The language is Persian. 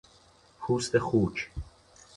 پوست خوک